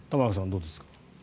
どうですか。